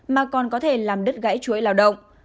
mà còn có thể làm đứt gãy chuỗi lao động